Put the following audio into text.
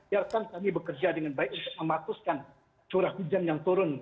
ya kita bekerja dengan baik untuk mematuhkan curah hujan yang turun